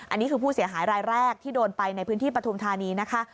อันนี้คือผู้เสียหายรายแรกที่โดนไปในพื้นที่ปฐุมธานีนะคะ